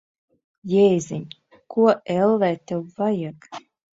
Jēziņ! Ko, ellē, tev vajag?